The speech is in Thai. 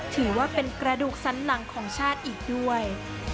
ถือว่าเป็นกระดูกสันหลังของชาติอีกด้วย